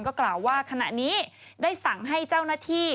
ก็กล่าวว่าขณะนี้ได้สั่งให้เจ้าหน้าที่